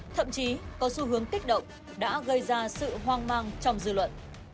thậm chí có xu hướng kích động đã gây ra sự hoang mang trong dư luận